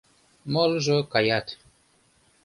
Молыжо каят.